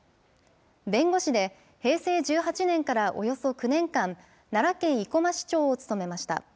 弁護士で、平成１８年からおよそ９年間、奈良県生駒市長を務めました。